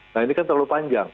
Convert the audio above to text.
nah ini kan terlalu panjang